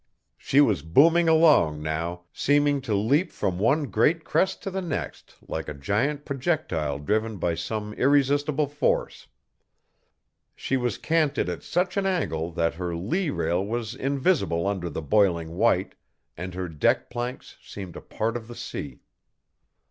She was booming along now, seeming to leap from one great crest to the next like a giant projectile driven by some irresistible force. She was canted at such an angle that her lee rail was invisible under the boiling white, and her deck planks seemed a part of the sea.